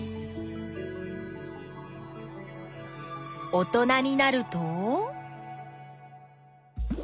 おとなになると？